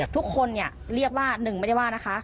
ทุกคนเนี่ยเรียกว่าหนึ่งไม่ได้ว่านะคะ